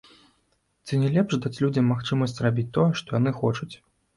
Ці не лепш даць людзям магчымасць рабіць тое, што яны хочуць?